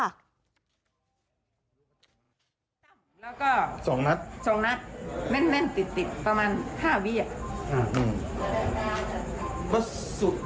แล้วก็สองนัดสองนัดแน่นแน่นติดติดประมาณห้าวิทยาลัย